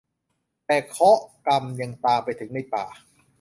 แต่เคราะห์กรรมยังตามไปถึงในป่า